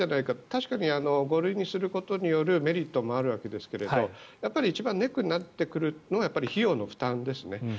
確かに５類にすることによるメリットもあるわけですが一番ネックになってくるのはやっぱり費用の負担ですね。